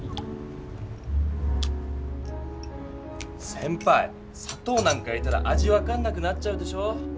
せんぱいさとうなんか入れたら味分かんなくなっちゃうでしょ！